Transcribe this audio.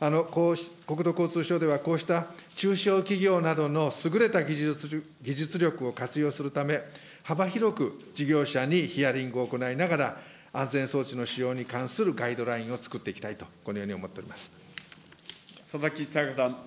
国土交通省では、こうした中小企業などの優れた技術力を活用するため、幅広く事業者にヒアリングを行いながら、安全装置の使用に関するガイドラインを作っていきたいと、佐々木さやかさん。